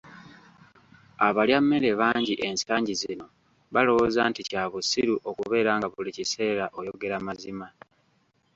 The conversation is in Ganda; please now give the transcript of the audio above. Abalyammere bangi ensangi zino balowooza nti kya bussiru okubeera nga buli kiseera oyogera mazima.